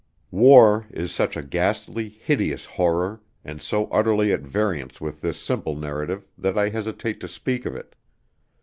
War is such a ghastly, hideous horror, and so utterly at variance with this simple narrative, that I hesitate to speak of it.